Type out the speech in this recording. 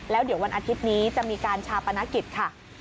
แล้วเดี๋ยววันอาทิตย์นี้จะมีการชาปนกิจค่ะ